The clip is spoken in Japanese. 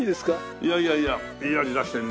いやいやいやいい味出してるね。